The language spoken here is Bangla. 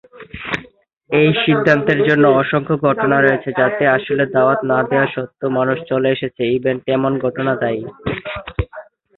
এই সিদ্ধান্তের জন্য অসংখ্য ঘটনা রয়েছে যাতে আসলে দাওয়াত না দেয়া সত্বেও মানুষ চলে এসেছে ইভেন্টে এমন ঘটনা দায়ী।